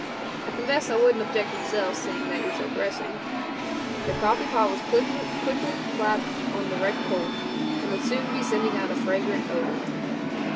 I confess I wouldn't object myself, seeing that you're so pressing." The coffee pot was quickly clapped on the red coals, and would soon be sending out a fragrant odor.